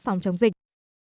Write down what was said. phòng chống dịch